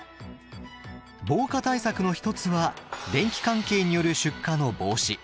防火対策の一つは電気関係による出火の防止。